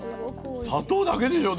砂糖だけでしょ？